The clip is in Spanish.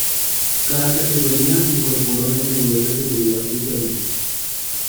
Cada categoría incorpora unas medidas de seguridad diferentes.